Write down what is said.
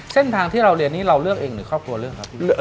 เส้นทางที่เราเรียนนี้เราเลือกเองหรือครอบครัวเลือกครับ